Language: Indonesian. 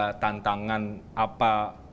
tentang tantangan apa